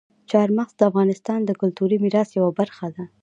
چار مغز د افغانستان د کلتوري میراث یوه برخه ده.